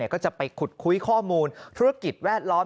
ก็จะไปขุดคุยข้อมูลธุรกิจแวดล้อม